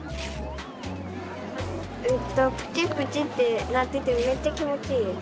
えっとプチプチってなっててめっちゃきもちいいです。